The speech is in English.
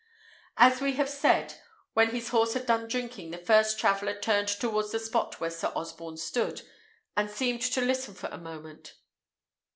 As we have said, when his horse had done drinking, the first traveller turned towards the spot where Sir Osborne stood, and seemed to listen for a moment.